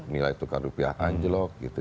nilai tukar rupiah anjlok gitu